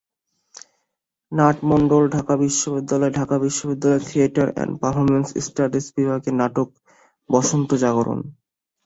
নাট-মণ্ডল, ঢাকা বিশ্ববিদ্যালয়ঢাকা বিশ্ববিদ্যালয়ের theatre and performance studies বিভাগের নাটক বসন্ত জাগরণ।